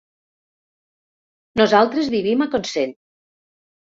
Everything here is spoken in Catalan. Nosaltres vivim a Consell.